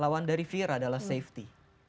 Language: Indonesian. lawan dari viera adalah safety